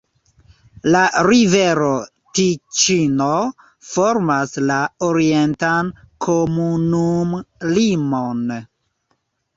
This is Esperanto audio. La rivero Tiĉino formas la orientan komunumlimon.